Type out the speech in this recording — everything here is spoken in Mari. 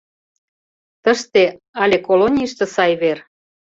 Тыште але колонийыште сай вер?